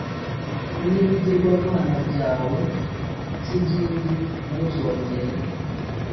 n ibigirwamana byawe by inkingi ntuzongera